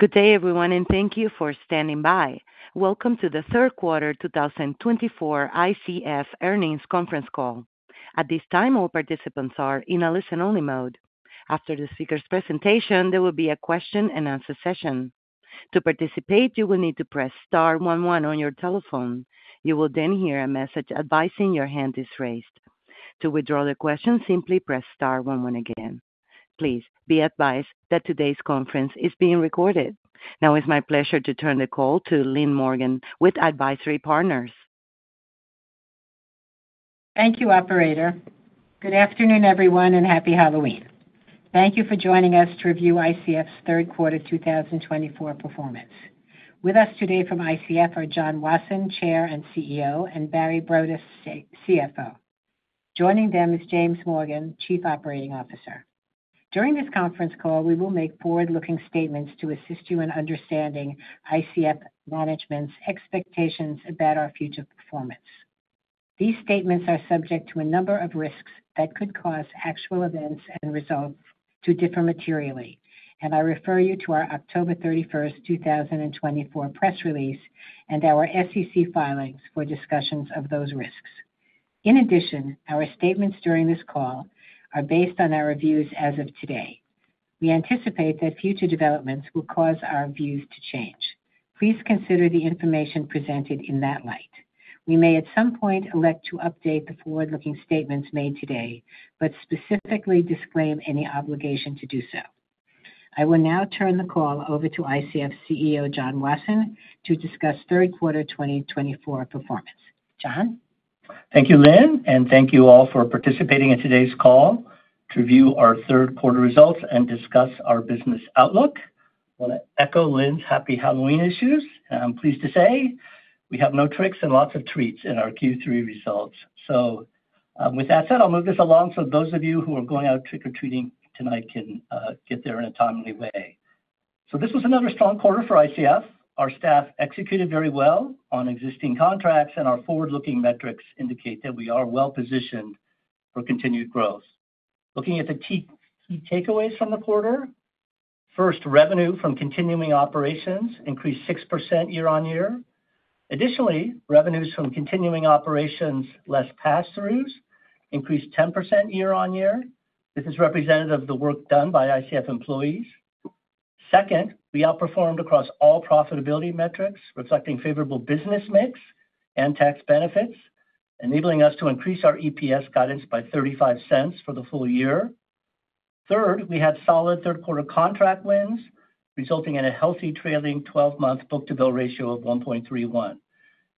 Good day, everyone, and thank you for standing by. Welcome to the third quarter 2024 ICF Earnings Conference Call. At this time, all participants are in a listen-only mode. After the speaker's presentation, there will be a question-and-answer session. To participate, you will need to press star 11 on your telephone. You will then hear a message advising your hand is raised. To withdraw the question, simply press star 11 again. Please be advised that today's conference is being recorded. Now, it's my pleasure to turn the call to Lynn Morgen with Advisory Partners. Thank you, Operator. Good afternoon, everyone, and Happy Halloween. Thank you for joining us to review ICF's third quarter 2024 performance. With us today from ICF are John Wasson, Chair and CEO, and Barry Broadus, CFO. Joining them is James Morgan, Chief Operating Officer. During this conference call, we will make forward-looking statements to assist you in understanding ICF management's expectations about our future performance. These statements are subject to a number of risks that could cause actual results to differ materially, and I refer you to our October 31, 2024, press release and our SEC filings for discussions of those risks. In addition, our statements during this call are based on our views as of today. We anticipate that future developments will cause our views to change. Please consider the information presented in that light. We may at some point elect to update the forward-looking statements made today, but specifically disclaim any obligation to do so. I will now turn the call over to ICF CEO John Wasson to discuss third quarter 2024 performance. John? Thank you, Lynn, and thank you all for participating in today's call to review our third quarter results and discuss our business outlook. I want to echo Lynn's Happy Halloween wishes. I'm pleased to say we have no tricks and lots of treats in our Q3 results. So, with that said, I'll move this along so those of you who are going out trick-or-treating tonight can get there in a timely way. So, this was another strong quarter for ICF. Our staff executed very well on existing contracts, and our forward-looking metrics indicate that we are well positioned for continued growth. Looking at the key takeaways from the quarter, first, revenue from continuing operations increased 6% year-on-year. Additionally, revenues from continuing operations less pass-throughs increased 10% year-on-year. This is representative of the work done by ICF employees. Second, we outperformed across all profitability metrics, reflecting favorable business mix and tax benefits, enabling us to increase our EPS guidance by $0.35 for the full year. Third, we had solid third quarter contract wins, resulting in a healthy trailing 12-month book-to-bill ratio of 1.31.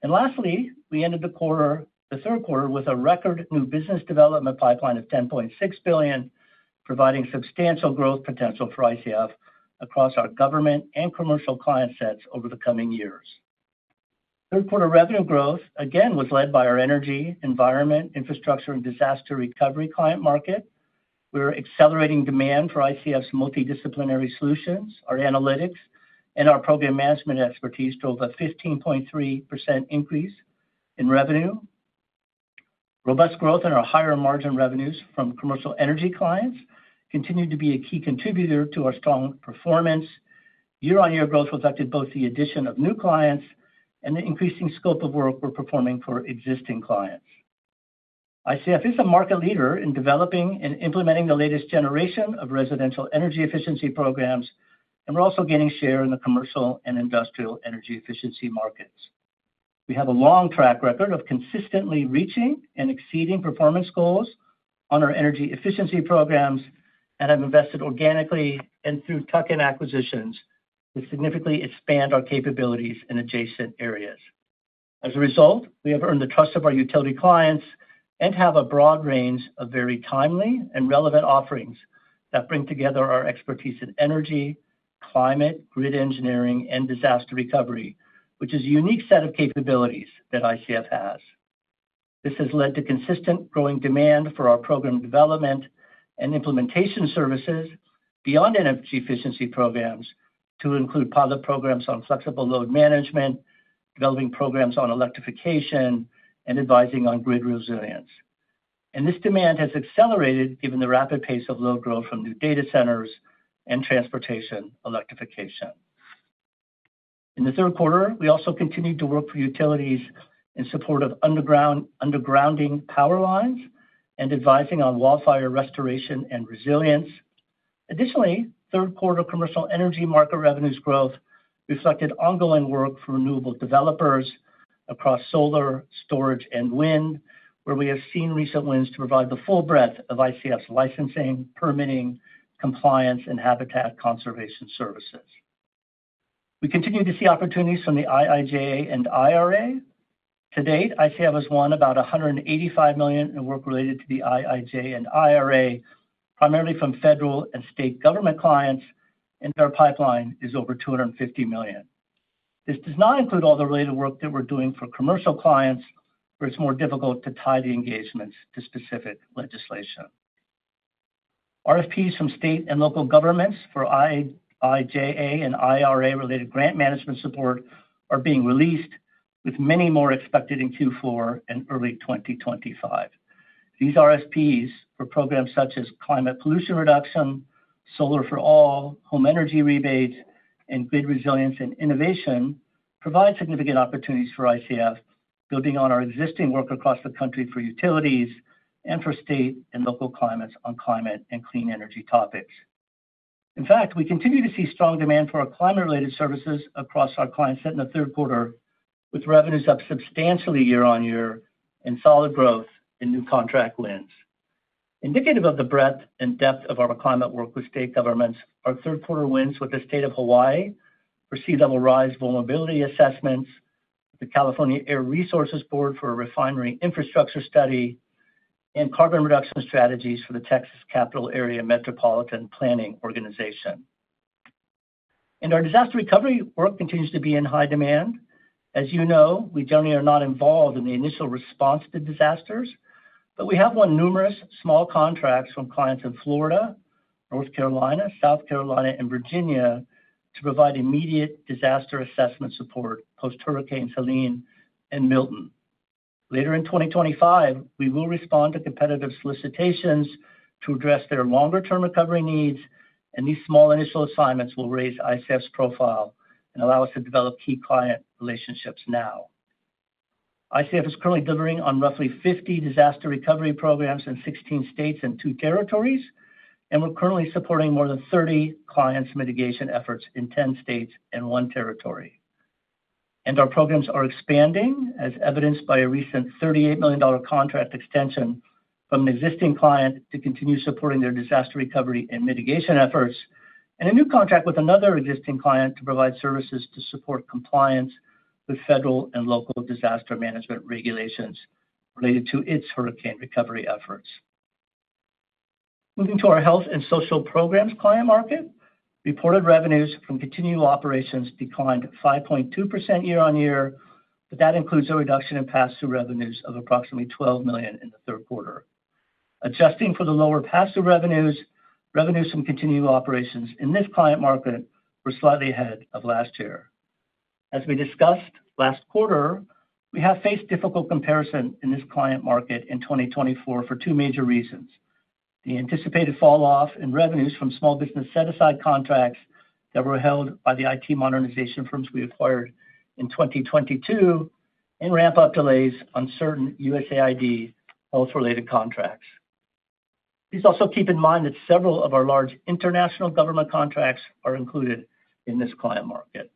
And lastly, we ended the third quarter with a record new business development pipeline of $10.6 billion, providing substantial growth potential for ICF across our government and commercial client sets over the coming years. Third quarter revenue growth, again, was led by our energy, environment, infrastructure, and disaster recovery client market. We're accelerating demand for ICF's multidisciplinary solutions. Our analytics and our program management expertise drove a 15.3% increase in revenue. Robust growth in our higher margin revenues from commercial energy clients continued to be a key contributor to our strong performance. Year-on-year growth reflected both the addition of new clients and the increasing scope of work we're performing for existing clients. ICF is a market leader in developing and implementing the latest generation of residential energy efficiency programs, and we're also gaining share in the commercial and industrial energy efficiency markets. We have a long track record of consistently reaching and exceeding performance goals on our energy efficiency programs, and have invested organically and through tuck-in acquisitions to significantly expand our capabilities in adjacent areas. As a result, we have earned the trust of our utility clients and have a broad range of very timely and relevant offerings that bring together our expertise in energy, climate, grid engineering, and disaster recovery, which is a unique set of capabilities that ICF has. This has led to consistent growing demand for our program development and implementation services beyond energy efficiency programs to include pilot programs on flexible load management, developing programs on electrification, and advising on grid resilience, and this demand has accelerated given the rapid pace of load growth from new data centers and transportation electrification. In the third quarter, we also continued to work for utilities in support of undergrounding power lines and advising on wildfire restoration and resilience. Additionally, third quarter commercial energy market revenues growth reflected ongoing work for renewable developers across solar, storage, and wind, where we have seen recent wins to provide the full breadth of ICF's licensing, permitting, compliance, and habitat conservation services. We continue to see opportunities from the IIJA and IRA. To date, ICF has won about $185 million in work related to the IIJA and IRA, primarily from federal and state government clients, and their pipeline is over $250 million. This does not include all the related work that we're doing for commercial clients, where it's more difficult to tie the engagements to specific legislation. RFPs from state and local governments for IIJA and IRA-related grant management support are being released, with many more expected in Q4 and early 2025. These RFPs for programs such as Climate Pollution Reduction, Solar for All, Home Energy Rebates, and Grid Resilience and Innovation provide significant opportunities for ICF, building on our existing work across the country for utilities and for state and local clients on climate and clean energy topics. In fact, we continue to see strong demand for our climate-related services across our client set in the third quarter, with revenues up substantially year-on-year and solid growth in new contract wins. Indicative of the breadth and depth of our climate work with state governments, our third quarter wins with the State of Hawaii for sea-level rise vulnerability assessments, the California Air Resources Board for a refinery infrastructure study, and carbon reduction strategies for the Capital Area Metropolitan Planning Organization. And our disaster recovery work continues to be in high demand. As you know, we generally are not involved in the initial response to disasters, but we have won numerous small contracts from clients in Florida, North Carolina, South Carolina, and Virginia to provide immediate disaster assessment support post-Hurricane Helene and Milton. Later in 2025, we will respond to competitive solicitations to address their longer-term recovery needs, and these small initial assignments will raise ICF's profile and allow us to develop key client relationships now. ICF is currently delivering on roughly 50 disaster recovery programs in 16 states and two territories, and we're currently supporting more than 30 clients' mitigation efforts in 10 states and one territory, and our programs are expanding, as evidenced by a recent $38 million contract extension from an existing client to continue supporting their disaster recovery and mitigation efforts, and a new contract with another existing client to provide services to support compliance with federal and local disaster management regulations related to its hurricane recovery efforts. Moving to our health and social programs client market, reported revenues from continuing operations declined 5.2% year-on-year, but that includes a reduction in pass-through revenues of approximately $12 million in the third quarter. Adjusting for the lower pass-through revenues, revenues from continuing operations in this client market were slightly ahead of last year. As we discussed last quarter, we have faced difficult comparison in this client market in 2024 for two major reasons: the anticipated falloff in revenues from small business set-aside contracts that were held by the IT modernization firms we acquired in 2022, and ramp-up delays on certain USAID health-related contracts. Please also keep in mind that several of our large international government contracts are included in this client market.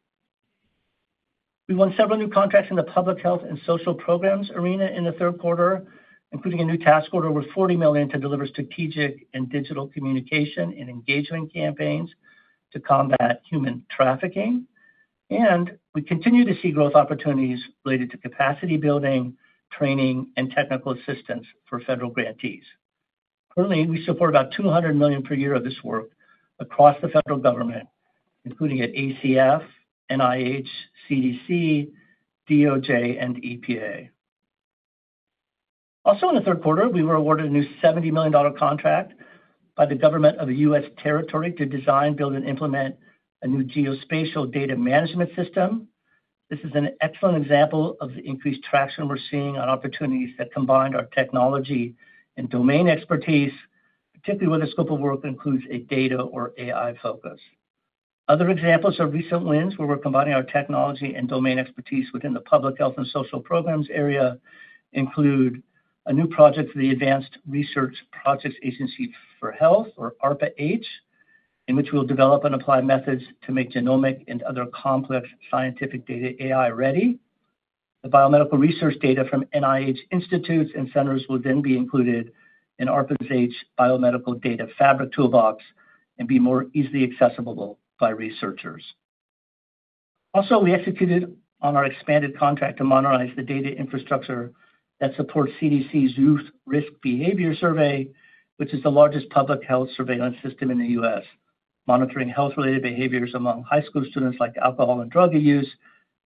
We won several new contracts in the public health and social programs arena in the third quarter, including a new task order worth $40 million to deliver strategic and digital communication and engagement campaigns to combat human trafficking. And we continue to see growth opportunities related to capacity building, training, and technical assistance for federal grantees. Currently, we support about $200 million per year of this work across the federal government, including at ACF, NIH, CDC, DOJ, and EPA. Also, in the third quarter, we were awarded a new $70 million contract by the government of a U.S. territory to design, build, and implement a new geospatial data management system. This is an excellent example of the increased traction we're seeing on opportunities that combined our technology and domain expertise, particularly where the scope of work includes a data or AI focus. Other examples of recent wins where we're combining our technology and domain expertise within the public health and social programs area include a new project for the Advanced Research Projects Agency for Health, or ARPA-H, in which we'll develop and apply methods to make genomic and other complex scientific data AI-ready. The biomedical research data from NIH institutes and centers will then be included in ARPA-H's Biomedical Data Fabric Toolbox and be more easily accessible by researchers. Also, we executed on our expanded contract to modernize the data infrastructure that supports CDC's Youth Risk Behavior Survey, which is the largest public health surveillance system in the U.S., monitoring health-related behaviors among high school students like alcohol and drug abuse,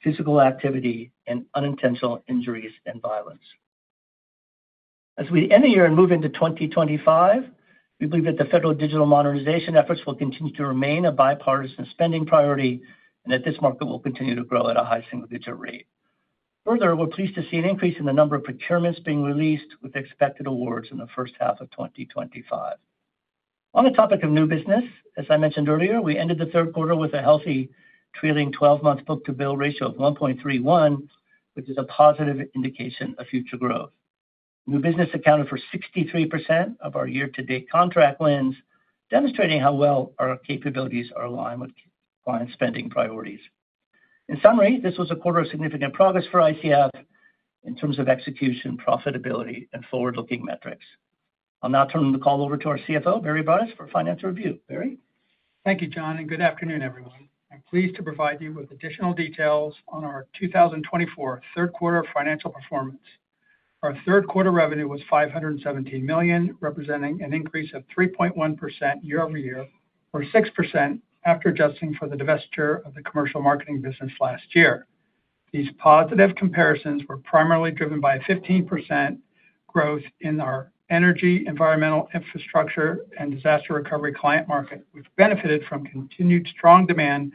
physical activity, and unintentional injuries and violence. As we end the year and move into 2025, we believe that the federal digital modernization efforts will continue to remain a bipartisan spending priority and that this market will continue to grow at a high single-digit rate. Further, we're pleased to see an increase in the number of procurements being released with expected awards in the first half of 2025. On the topic of new business, as I mentioned earlier, we ended the third quarter with a healthy trailing 12-month book-to-bill ratio of 1.31, which is a positive indication of future growth. New business accounted for 63% of our year-to-date contract wins, demonstrating how well our capabilities are aligned with client spending priorities. In summary, this was a quarter of significant progress for ICF in terms of execution, profitability, and forward-looking metrics. I'll now turn the call over to our CFO, Barry Broadus, for financial review. Barry? Thank you, John, and good afternoon, everyone. I'm pleased to provide you with additional details on our 2024 third quarter financial performance. Our third quarter revenue was $517 million, representing an increase of 3.1% year-over-year, or 6% after adjusting for the divestiture of the commercial marketing business last year. These positive comparisons were primarily driven by a 15% growth in our energy, environmental, infrastructure, and disaster recovery client market, which benefited from continued strong demand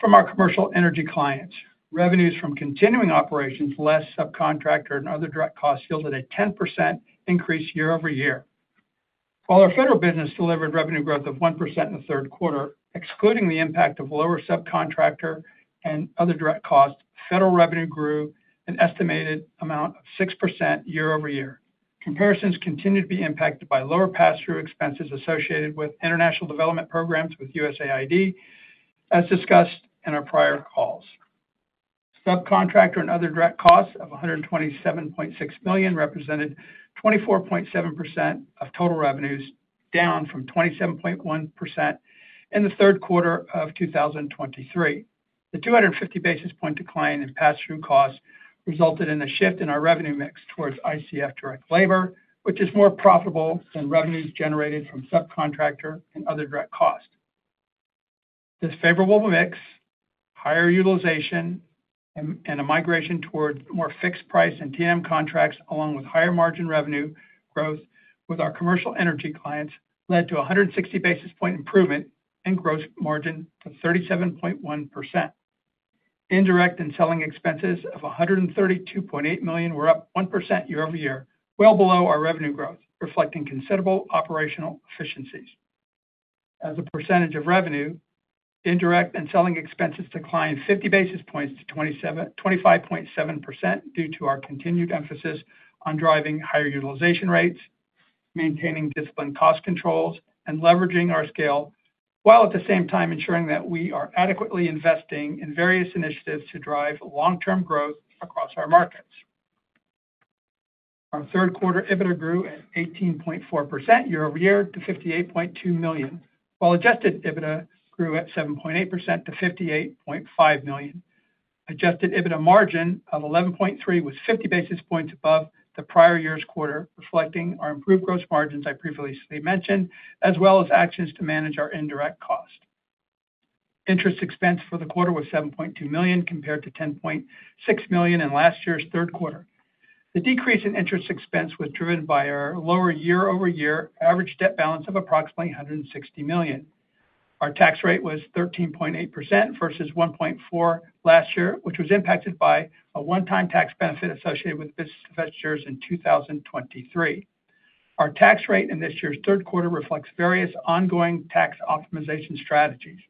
from our commercial energy clients. Revenues from continuing operations, less subcontractor and other direct costs yielded a 10% increase year-over-year. While our federal business delivered revenue growth of 1% in the third quarter, excluding the impact of lower subcontractor and other direct costs, federal revenue grew an estimated amount of 6% year-over-year. Comparisons continue to be impacted by lower pass-through expenses associated with international development programs with USAID, as discussed in our prior calls. Subcontractor and other direct costs of $127.6 million represented 24.7% of total revenues, down from 27.1% in the third quarter of 2023. The 250 basis point decline in pass-through costs resulted in a shift in our revenue mix towards ICF direct labor, which is more profitable than revenues generated from subcontractor and other direct costs. This favorable mix, higher utilization, and a migration towards more fixed-price and T&M contracts, along with higher margin revenue growth with our commercial energy clients, led to a 160 basis point improvement in gross margin to 37.1%. Indirect and selling expenses of $132.8 million were up 1% year-over-year, well below our revenue growth, reflecting considerable operational efficiencies. As a percentage of revenue, indirect and selling expenses declined 50 basis points to 25.7% due to our continued emphasis on driving higher utilization rates, maintaining disciplined cost controls, and leveraging our scale, while at the same time ensuring that we are adequately investing in various initiatives to drive long-term growth across our markets. Our third quarter EBITDA grew at 18.4% year-over-year to $58.2 million, while Adjusted EBITDA grew at 7.8% to $58.5 million. Adjusted EBITDA margin of 11.3% was 50 basis points above the prior year's quarter, reflecting our improved gross margins I previously mentioned, as well as actions to manage our indirect cost. Interest expense for the quarter was $7.2 million compared to $10.6 million in last year's third quarter. The decrease in interest expense was driven by our lower year-over-year average debt balance of approximately $160 million. Our tax rate was 13.8% versus 1.4% last year, which was impacted by a one-time tax benefit associated with business divestitures in 2023. Our tax rate in this year's third quarter reflects various ongoing tax optimization strategies.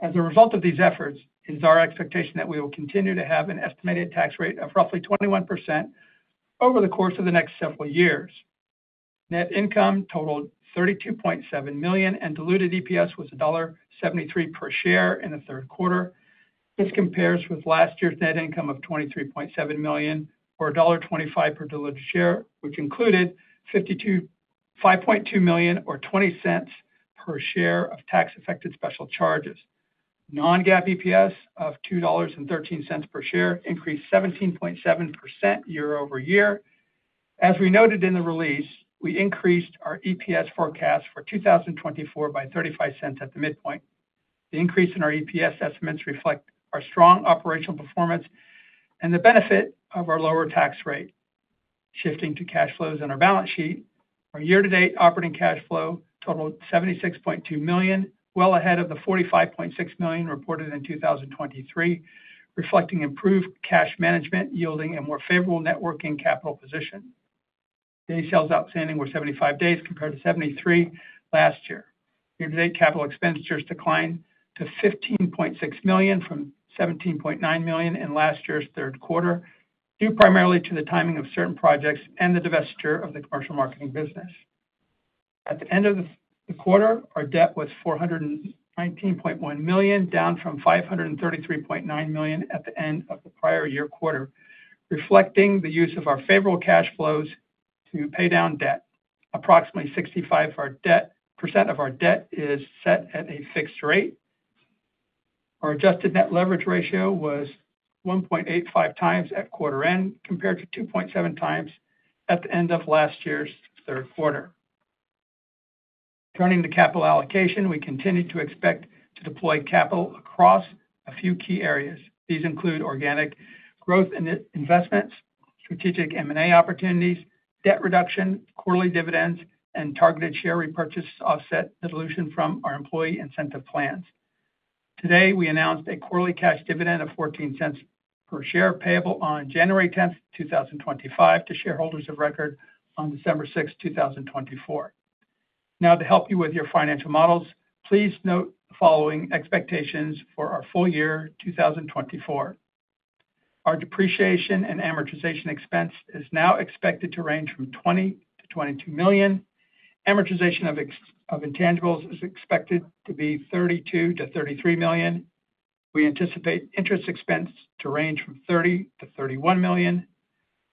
As a result of these efforts, it is our expectation that we will continue to have an estimated tax rate of roughly 21% over the course of the next several years. Net income totaled $32.7 million, and diluted EPS was $1.73 per share in the third quarter. This compares with last year's net income of $23.7 million, or $1.25 per diluted share, which included $5.2 million, or $0.20 per share of tax-affected special charges. Non-GAAP EPS of $2.13 per share increased 17.7% year-over-year. As we noted in the release, we increased our EPS forecast for 2024 by $0.35 at the midpoint. The increase in our EPS estimates reflects our strong operational performance and the benefit of our lower tax rate. Shifting to cash flows in our balance sheet, our year-to-date operating cash flow totaled $76.2 million, well ahead of the $45.6 million reported in 2023, reflecting improved cash management yielding a more favorable working capital position. Days sales outstanding were 75 days compared to 73 last year. Year-to-date capital expenditures declined to $15.6 million from $17.9 million in last year's third quarter, due primarily to the timing of certain projects and the divestiture of the commercial marketing business. At the end of the quarter, our debt was $419.1 million, down from $533.9 million at the end of the prior year quarter, reflecting the use of our favorable cash flows to pay down debt. Approximately 65% of our debt is set at a fixed rate. Our adjusted net leverage ratio was 1.85 times at quarter end compared to 2.7 times at the end of last year's third quarter. Turning to capital allocation, we continue to expect to deploy capital across a few key areas. These include organic growth investments, strategic M&A opportunities, debt reduction, quarterly dividends, and targeted share repurchase offset dilution from our employee incentive plans. Today, we announced a quarterly cash dividend of $0.14 per share payable on January 10, 2025, to shareholders of record on December 6, 2024. Now, to help you with your financial models, please note the following expectations for our full year 2024. Our depreciation and amortization expense is now expected to range from $20-$22 million. Amortization of intangibles is expected to be $32-$33 million. We anticipate interest expense to range from $30-$31 million.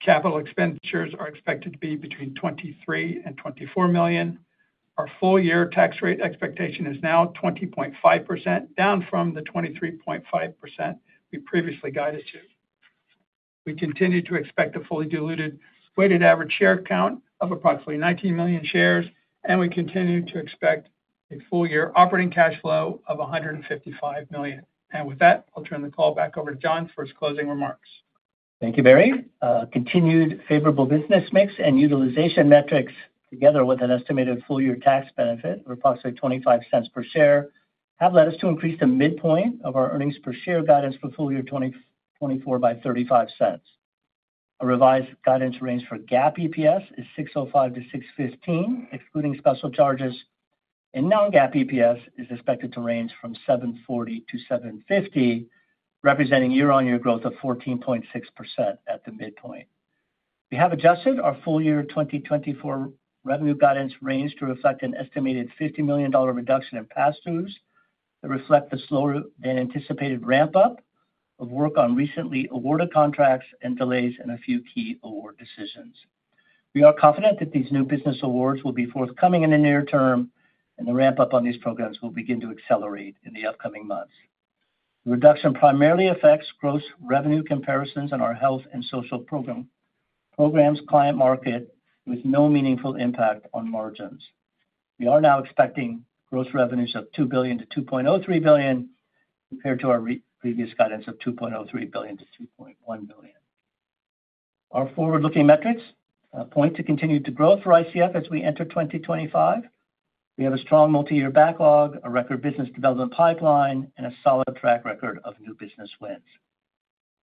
Capital expenditures are expected to be between $23 and $24 million. Our full year tax rate expectation is now 20.5%, down from the 23.5% we previously guided to. We continue to expect a fully diluted weighted average share count of approximately 19 million shares, and we continue to expect a full year operating cash flow of $155 million, and with that, I'll turn the call back over to John for his closing remarks. Thank you, Barry. Continued favorable business mix and utilization metrics, together with an estimated full year tax benefit of approximately $0.25 per share, have led us to increase the midpoint of our earnings per share guidance for full year 2024 by $0.35. A revised guidance range for GAAP EPS is $6.05-$6.15, excluding special charges, and non-GAAP EPS is expected to range from $7.40-$7.50, representing year-on-year growth of 14.6% at the midpoint. We have adjusted our full year 2024 revenue guidance range to reflect an estimated $50 million reduction in pass-throughs that reflect the slower than anticipated ramp-up of work on recently awarded contracts and delays in a few key award decisions. We are confident that these new business awards will be forthcoming in the near term, and the ramp-up on these programs will begin to accelerate in the upcoming months. The reduction primarily affects gross revenue comparisons in our health and social programs client market, with no meaningful impact on margins. We are now expecting gross revenues of $2 billion-$2.03 billion compared to our previous guidance of $2.03 billion-$2.1 billion. Our forward-looking metrics point to continued growth for ICF as we enter 2025. We have a strong multi-year backlog, a record business development pipeline, and a solid track record of new business wins.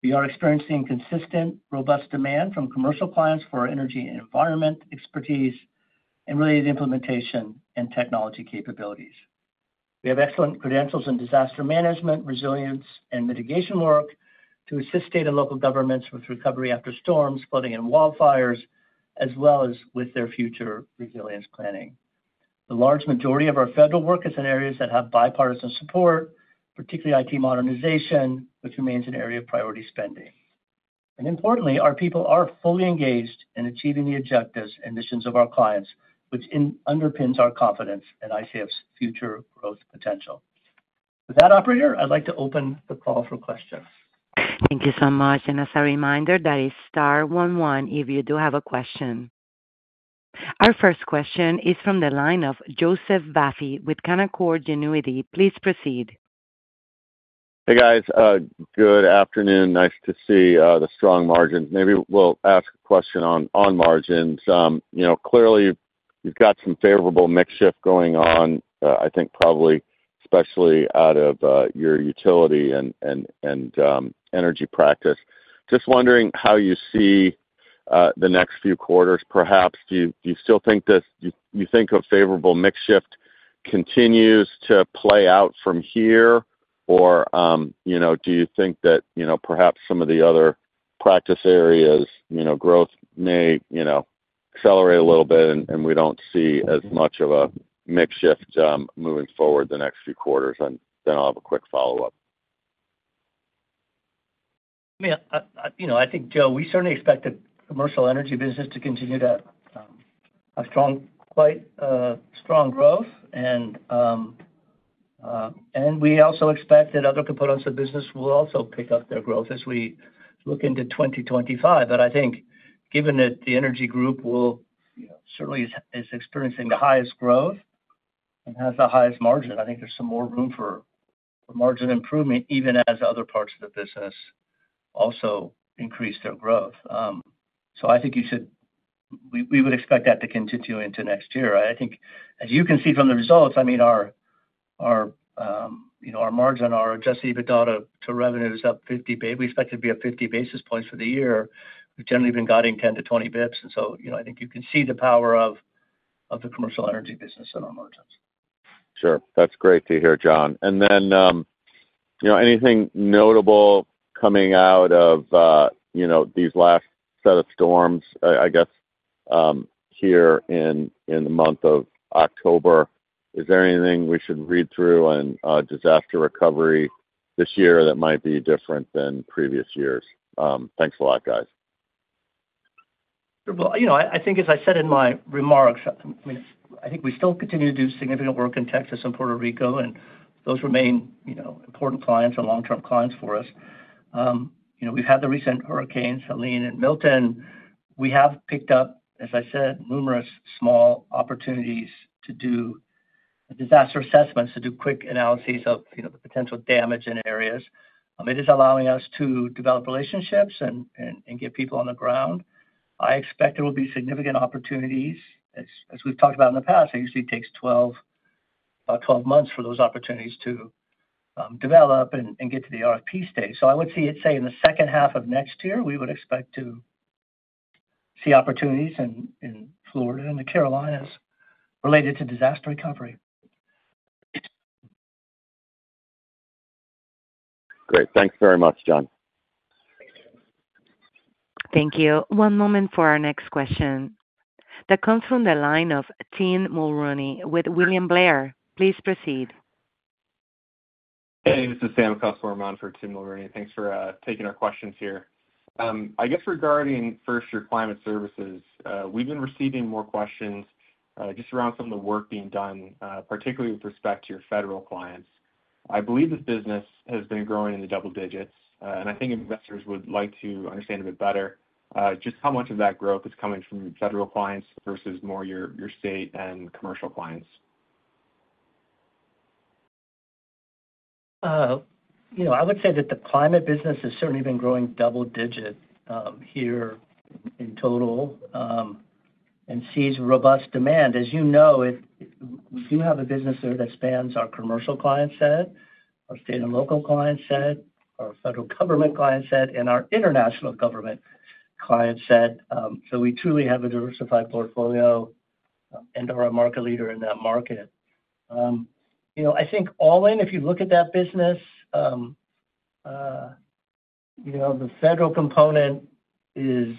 We are experiencing consistent, robust demand from commercial clients for our energy and environment expertise and related implementation and technology capabilities. We have excellent credentials in disaster management, resilience, and mitigation work to assist state and local governments with recovery after storms, flooding, and wildfires, as well as with their future resilience planning. The large majority of our federal work is in areas that have bipartisan support, particularly IT modernization, which remains an area of priority spending. And importantly, our people are fully engaged in achieving the objectives and missions of our clients, which underpins our confidence in ICF's future growth potential. With that, Operator, I'd like to open the call for questions. Thank you so much. And as a reminder, that is Star 11 if you do have a question. Our first question is from the line of Joseph Vafi with Canaccord Genuity. Please proceed. Hey, guys. Good afternoon. Nice to see the strong margins. Maybe we'll ask a question on margins. Clearly, you've got some favorable mix shift going on, I think probably especially out of your utility and energy practice. Just wondering how you see the next few quarters. Perhaps do you still think this? Do you think a favorable mix shift continues to play out from here, or do you think that perhaps some of the other practice areas' growth may accelerate a little bit and we don't see as much of a mix shift moving forward the next few quarters? And then I'll have a quick follow-up. I mean, I think, Joe, we certainly expect the commercial energy business to continue to have a strong growth. And we also expect that other components of business will also pick up their growth as we look into 2025. But I think given that the energy group certainly is experiencing the highest growth and has the highest margin, I think there's some more room for margin improvement, even as other parts of the business also increase their growth. So I think we would expect that to continue into next year. I think, as you can see from the results, I mean, our margin, our Adjusted EBITDA to revenue is up 50. We expect to be at 50 basis points for the year. We've generally been guiding 10 to 20 basis points. And so I think you can see the power of the commercial energy business and our margins. Sure. That's great to hear, John. And then anything notable coming out of these last set of storms, I guess, here in the month of October? Is there anything we should read through on disaster recovery this year that might be different than previous years? Thanks a lot, guys. I think, as I said in my remarks, I think we still continue to do significant work in Texas and Puerto Rico, and those remain important clients and long-term clients for us. We've had the recent hurricanes, Helene and Milton. We have picked up, as I said, numerous small opportunities to do disaster assessments, to do quick analyses of the potential damage in areas. It is allowing us to develop relationships and get people on the ground. I expect there will be significant opportunities. As we've talked about in the past, it usually takes about 12 months for those opportunities to develop and get to the RFP stage. So, I would say, in the second half of next year, we would expect to see opportunities in Florida and the Carolinas related to disaster recovery. Great. Thanks very much, John. Thank you. One moment for our next question that comes from the line of Tim Mulrooney with William Blair. Please proceed. Hey, this is Sam Kusswurm for Tim Mulrooney. Thanks for taking our questions here. I guess regarding first your climate services, we've been receiving more questions just around some of the work being done, particularly with respect to your federal clients. I believe this business has been growing in the double digits, and I think investors would like to understand a bit better just how much of that growth is coming from your federal clients versus more your state and commercial clients. I would say that the climate business has certainly been growing double-digit here in total and sees robust demand. As you know, we do have a business there that spans our commercial client set, our state and local client set, our federal government client set, and our international government client set. So we truly have a diversified portfolio and are a market leader in that market. I think all in, if you look at that business, the federal component is,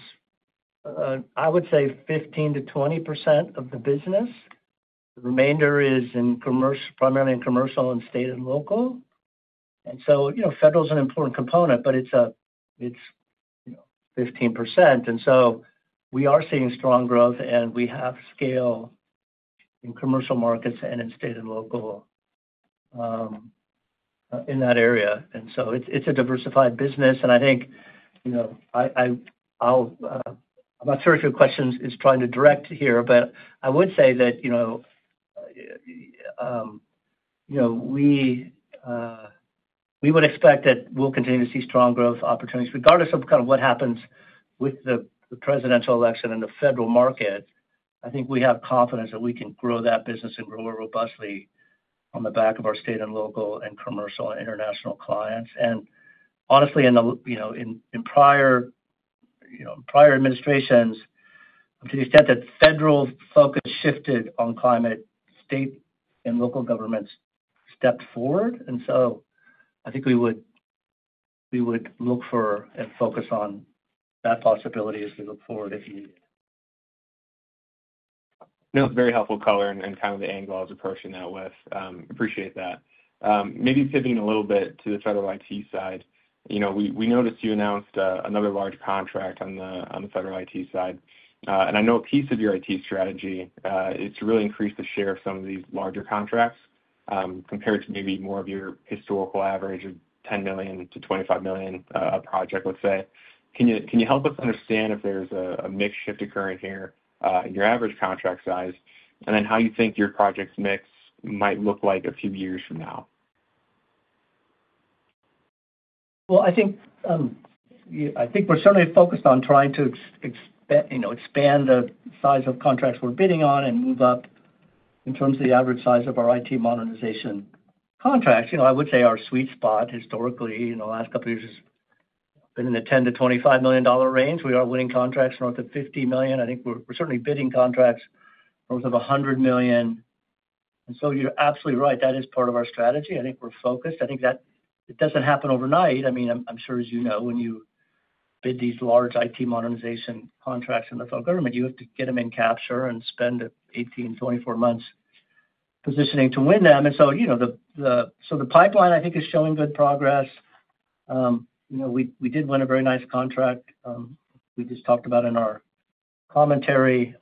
I would say, 15%-20% of the business. The remainder is primarily in commercial and state and local. And so federal is an important component, but it's 15%. And so we are seeing strong growth, and we have scale in commercial markets and in state and local in that area. And so it's a diversified business. I think I'm not sure if your question is trying to direct here, but I would say that we would expect that we'll continue to see strong growth opportunities regardless of kind of what happens with the presidential election and the federal market. I think we have confidence that we can grow that business and grow it robustly on the back of our state and local and commercial and international clients. And honestly, in prior administrations, to the extent that federal focus shifted on climate, state and local governments stepped forward. And so I think we would look for and focus on that possibility as we look forward if needed. No, very helpful, Color, and kind of the angle I was approaching that with. Appreciate that. Maybe pivoting a little bit to the federal IT side, we noticed you announced another large contract on the federal IT side, and I know a piece of your IT strategy is to really increase the share of some of these larger contracts compared to maybe more of your historical average of $10 million-$25 million a project, let's say. Can you help us understand if there's a mix shift occurring here in your average contract size and then how you think your project's mix might look like a few years from now? I think we're certainly focused on trying to expand the size of contracts we're bidding on and move up in terms of the average size of our IT modernization contracts. I would say our sweet spot historically in the last couple of years has been in the $10-$25 million range. We are winning contracts north of $50 million. I think we're certainly bidding contracts north of $100 million, and so you're absolutely right. That is part of our strategy. I think we're focused. I think that it doesn't happen overnight. I mean, I'm sure, as you know, when you bid these large IT modernization contracts in the federal government, you have to get them in capture and spend 18-24 months positioning to win them. So the pipeline, I think, is showing good progress. We did win a very nice contract we just talked about in our commentary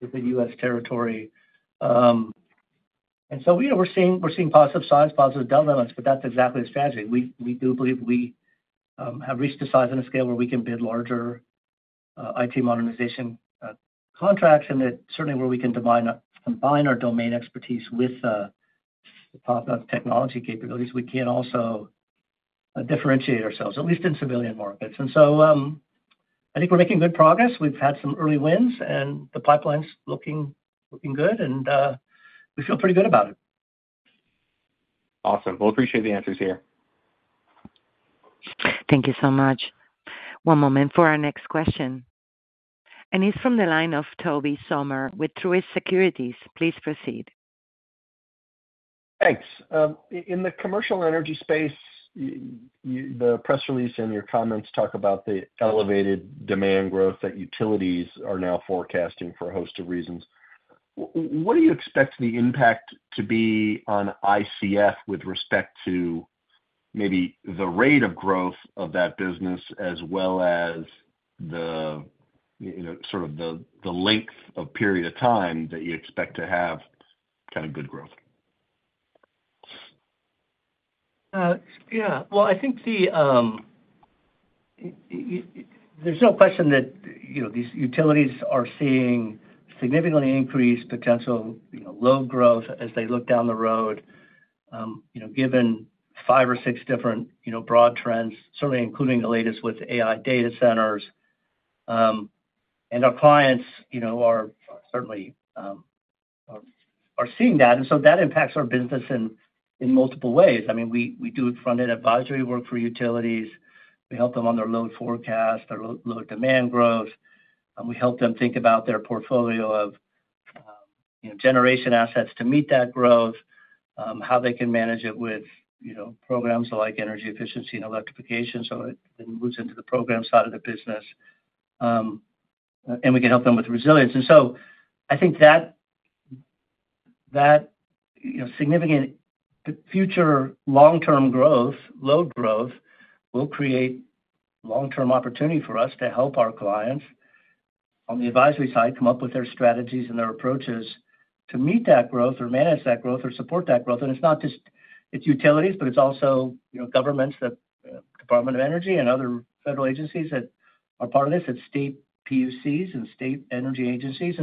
with the U.S. territory. And so we're seeing positive signs, positive developments, but that's exactly the strategy. We do believe we have reached a size and a scale where we can bid larger IT modernization contracts and that certainly where we can combine our domain expertise with technology capabilities. We can also differentiate ourselves, at least in civilian markets. And so I think we're making good progress. We've had some early wins, and the pipeline's looking good, and we feel pretty good about it. Awesome. Well, appreciate the answers here. Thank you so much. One moment for our next question. And he's from the line of Tobey Sommer with Truist Securities. Please proceed. Thanks. In the commercial energy space, the press release and your comments talk about the elevated demand growth that utilities are now forecasting for a host of reasons. What do you expect the impact to be on ICF with respect to maybe the rate of growth of that business as well as sort of the length of period of time that you expect to have kind of good growth? Yeah. Well, I think there's no question that these utilities are seeing significantly increased potential load growth as they look down the road given five or six different broad trends, certainly including the latest with AI data centers. And our clients are certainly seeing that. And so that impacts our business in multiple ways. I mean, we do front-end advisory work for utilities. We help them on their load forecast, their load demand growth. We help them think about their portfolio of generation assets to meet that growth, how they can manage it with programs like energy efficiency and electrification. So it then moves into the program side of the business. And we can help them with resilience. I think that significant future long-term load growth will create long-term opportunity for us to help our clients on the advisory side come up with their strategies and their approaches to meet that growth or manage that growth or support that growth. It's not just utilities, but it's also governments, the Department of Energy, and other federal agencies that are part of this, state PUCs and state energy agencies.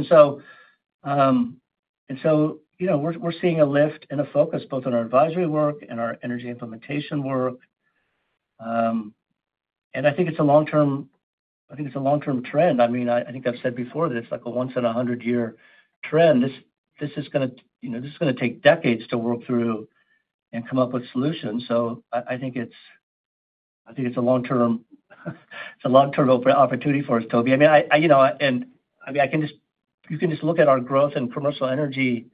We're seeing a lift and a focus both on our advisory work and our energy implementation work. I think it's a long-term trend. I mean, I think I've said before that it's like a once-in-a-hundred-year trend. This is going to take decades to work through and come up with solutions. It's a long-term opportunity for us, Tobey. I mean, you can just look at our growth in commercial energy.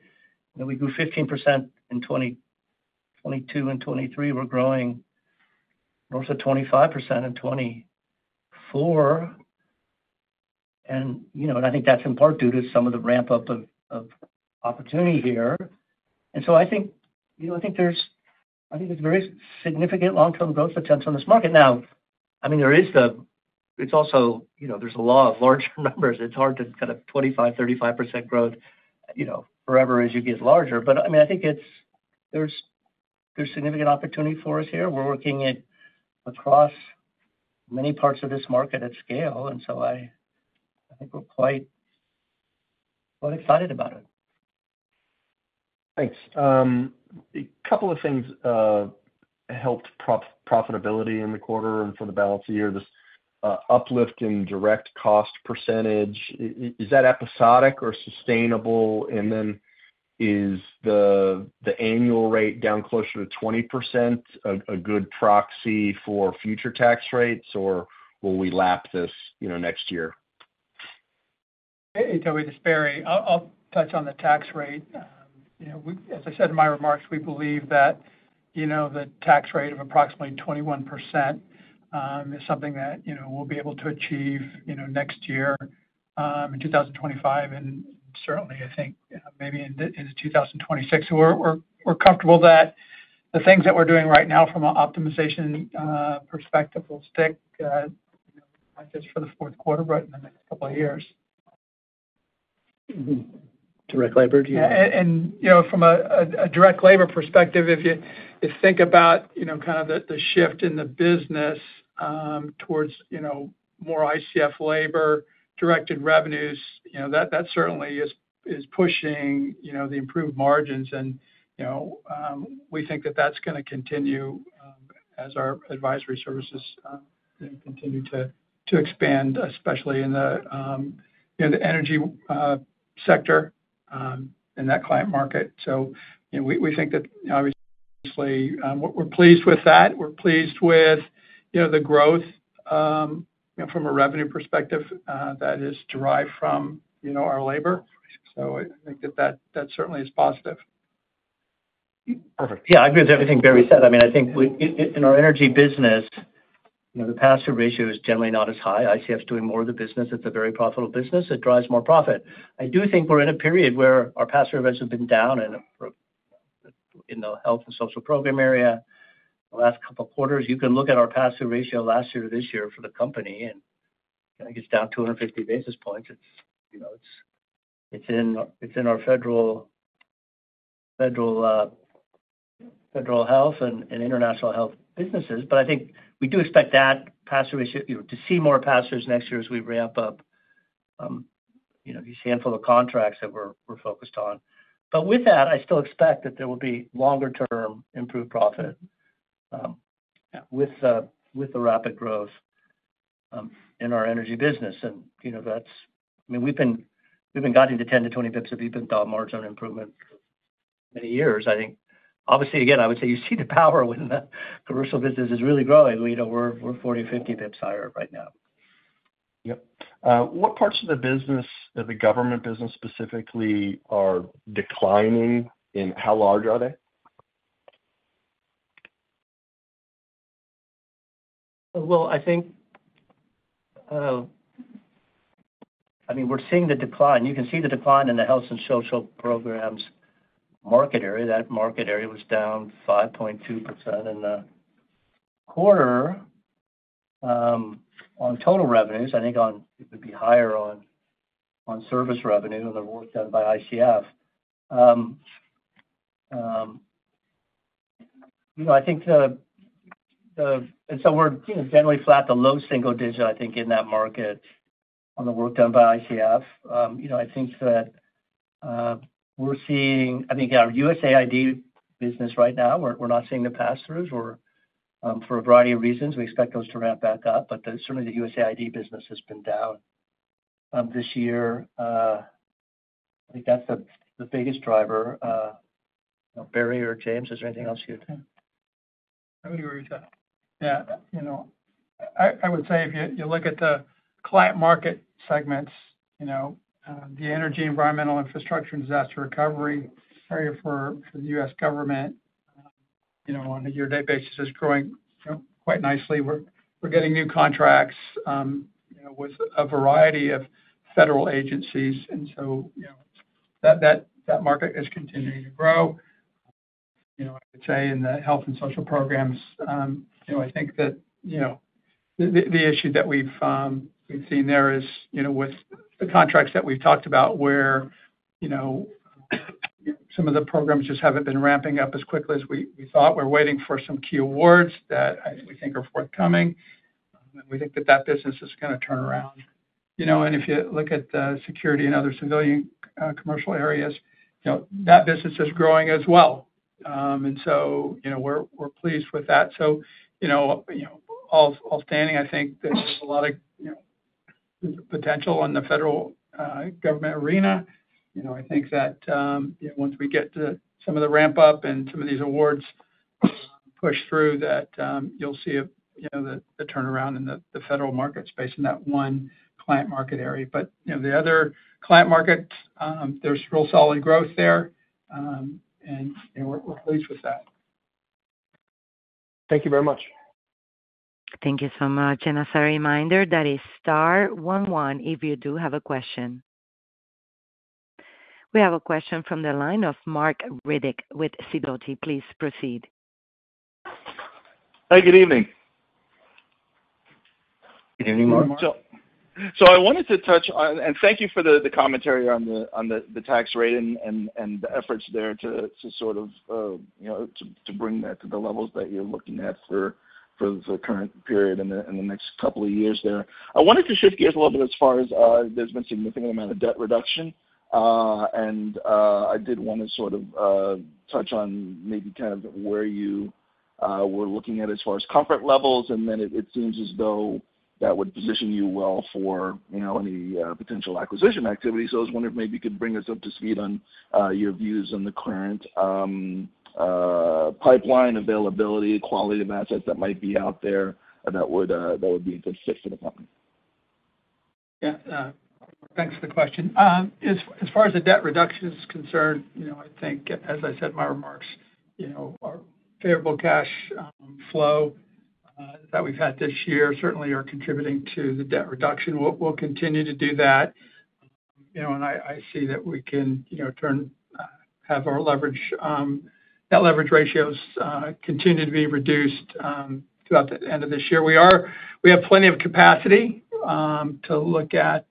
We grew 15% in 22 and 23. We're growing north of 25% in 24. And I think that's in part due to some of the ramp-up of opportunity here. And so I think there's very significant long-term growth attempts on this market. Now, I mean, there is. It's also there's a law of large numbers. It's hard to kind of 25%-35% growth forever as you get larger. But I mean, I think there's significant opportunity for us here. We're working across many parts of this market at scale. And so I think we're quite excited about it. Thanks. A couple of things helped profitability in the quarter and for the balance of the year. This uplift in direct cost percentage, is that episodic or sustainable? And then is the annual rate down closer to 20% a good proxy for future tax rates, or will we lap this next year? Hey, Tobey Sommer. I'll touch on the tax rate. As I said in my remarks, we believe that the tax rate of approximately 21% is something that we'll be able to achieve next year in 2025 and certainly, I think, maybe into 2026. So we're comfortable that the things that we're doing right now from an optimization perspective will stick not just for the fourth quarter, but in the next couple of years. Direct labor, do you mean? And from a direct labor perspective, if you think about kind of the shift in the business towards more ICF labor, direct revenues, that certainly is pushing the improved margins. And we think that that's going to continue as our advisory services continue to expand, especially in the energy sector and that client market. So we think that obviously we're pleased with that. We're pleased with the growth from a revenue perspective that is derived from our labor. So I think that that certainly is positive. Perfect. Yeah. I agree with everything Barry said. I mean, I think in our energy business, the pass-through ratio is generally not as high. ICF's doing more of the business. It's a very profitable business. It drives more profit. I do think we're in a period where our pass-through rates have been down in the health and social program area. The last couple of quarters, you can look at our pass-through ratio last year to this year for the company, and it's down 250 basis points. It's in our federal health and international health businesses. But I think we do expect that pass-through ratio to see more pass-throughs next year as we ramp up these handful of contracts that we're focused on. But with that, I still expect that there will be longer-term improved profit with the rapid growth in our energy business. And I mean, we've been guiding to 10-20 basis points. If you've seen dollar margin improvement for many years. I think, obviously, again, I would say you see the power when the commercial business is really growing. We're 40, 50 basis points higher right now. Yep. What parts of the business, the government business specifically, are declining, and how large are they? I think, I mean, we're seeing the decline. You can see the decline in the health and social programs market area. That market area was down 5.2% in the quarter on total revenues. I think it would be higher on service revenue and the work done by ICF. I think the and so we're generally flat, the low single digit, I think, in that market on the work done by ICF. I think that we're seeing I think our USAID business right now, we're not seeing the pass-throughs for a variety of reasons. We expect those to ramp back up, but certainly the USAID business has been down this year. I think that's the biggest driver. Barry or James, is there anything else you'd add? I would agree with that. Yeah. I would say if you look at the client market segments, the energy, environmental, infrastructure, and disaster recovery area for the U.S. government on a year-to-date basis is growing quite nicely. We're getting new contracts with a variety of federal agencies. And so that market is continuing to grow. I would say in the health and social programs, I think that the issue that we've seen there is with the contracts that we've talked about where some of the programs just haven't been ramping up as quickly as we thought. We're waiting for some key awards that we think are forthcoming. And we think that that business is going to turn around. And if you look at the security and other civilian commercial areas, that business is growing as well. And so we're pleased with that. So all standing, I think there's a lot of potential in the federal government arena. I think that once we get to some of the ramp-up and some of these awards push through, that you'll see the turnaround in the federal market space in that one client market area. But the other client markets, there's real solid growth there. And we're pleased with that. Thank you very much. Thank you so much. As a reminder, that is Star one-one if you do have a question. We have a question from the line of Marc Riddick with Sidoti & Company. Please proceed. Hi, good evening. Good evening, Mark. So I wanted to touch on and thank you for the commentary on the tax rate and the efforts there to sort of to bring that to the levels that you're looking at for the current period and the next couple of years there. I wanted to shift gears a little bit as far as there's been a significant amount of debt reduction. And I did want to sort of touch on maybe kind of where you were looking at as far as comfort levels. And then it seems as though that would position you well for any potential acquisition activity. So I was wondering if maybe you could bring us up to speed on your views on the current pipeline, availability, quality of assets that might be out there that would be a good fit for the company. Yeah. Thanks for the question. As far as the debt reduction is concerned, I think, as I said in my remarks, our favorable cash flow that we've had this year certainly are contributing to the debt reduction. We'll continue to do that. And I see that we can have our leverage that leverage ratios continue to be reduced throughout the end of this year. We have plenty of capacity to look at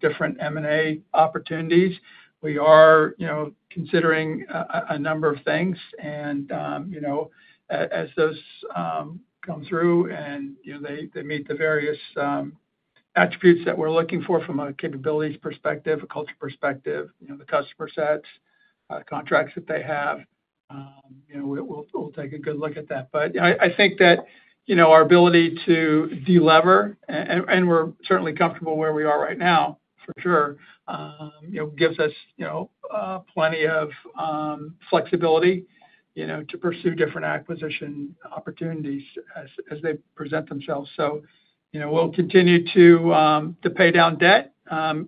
different M&A opportunities. We are considering a number of things. And as those come through and they meet the various attributes that we're looking for from a capabilities perspective, a culture perspective, the customer sets, contracts that they have, we'll take a good look at that. But I think that our ability to deliver, and we're certainly comfortable where we are right now, for sure, gives us plenty of flexibility to pursue different acquisition opportunities as they present themselves. So we'll continue to pay down debt,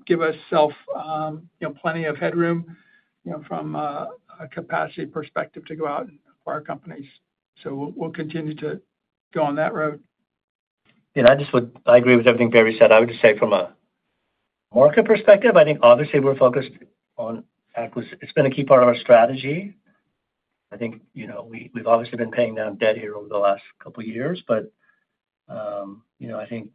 give ourselves plenty of headroom from a capacity perspective to go out and acquire companies. So we'll continue to go on that road. Yeah. I agree with everything Barry said. I would just say from a market perspective, I think obviously we're focused on it. It's been a key part of our strategy. I think we've obviously been paying down debt here over the last couple of years. But I think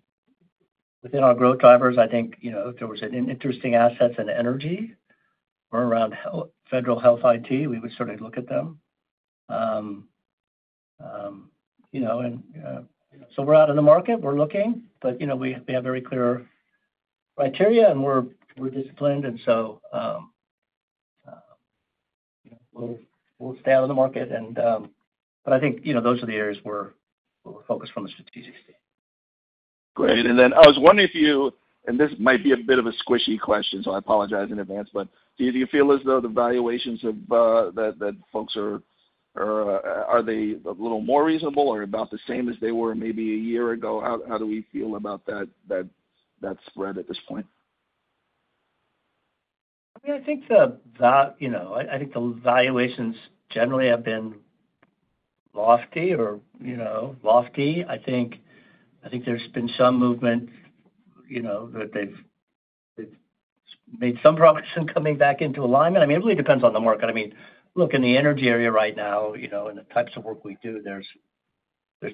within our growth drivers, I think if there was interesting assets in energy or around federal health IT, we would certainly look at them. And so we're out in the market. We're looking. But we have very clear criteria, and we're disciplined. And so we'll stay in the market. But I think those are the areas we're focused on from a strategic standpoint. Great. And then I was wondering if you, and this might be a bit of a squishy question, so I apologize in advance, but do you feel as though the valuations that folks are are they a little more reasonable or about the same as they were maybe a year ago? How do we feel about that spread at this point? I mean, I think the valuations generally have been lofty. I think there's been some movement that they've made some progress in coming back into alignment. I mean, it really depends on the market. I mean, look, in the energy area right now, in the types of work we do, there's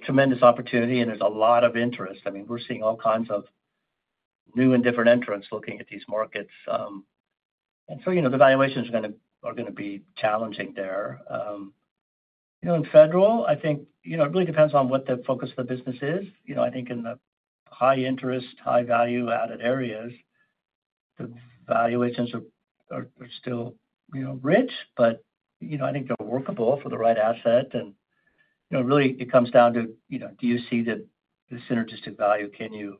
tremendous opportunity, and there's a lot of interest. I mean, we're seeing all kinds of new and different entrants looking at these markets. And so the valuations are going to be challenging there. In federal, I think it really depends on what the focus of the business is. I think in the high-interest, high-value-added areas, the valuations are still rich, but I think they're workable for the right asset. And really, it comes down to do you see the synergistic value? Can you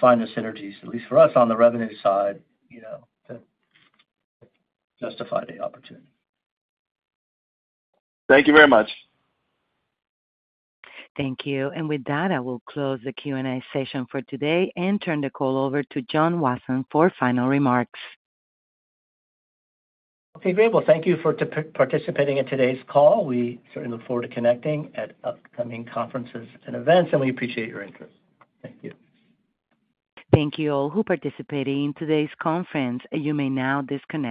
find the synergies, at least for us on the revenue side, that justify the opportunity? Thank you very much. Thank you. With that, I will close the Q&A session for today and turn the call over to John Wasson for final remarks. Okay. Great. Well, thank you for participating in today's call. We certainly look forward to connecting at upcoming conferences and events, and we appreciate your interest. Thank you. Thank you all who participated in today's conference. You may now disconnect.